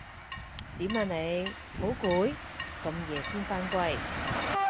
點啊你？好攰？咁夜先返歸